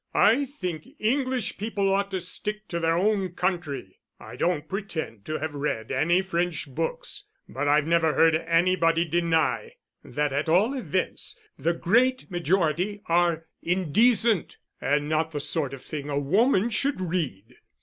I think English people ought to stick to their own country. I don't pretend to have read any French books, but I've never heard anybody deny, that at all events the great majority are indecent, and not the sort of thing a woman should read."